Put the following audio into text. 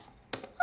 あ！